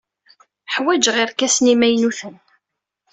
Ḥwajeɣ irkasen imaynuten.